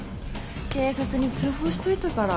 警察に通報しといたから。